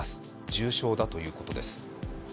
重傷だということです。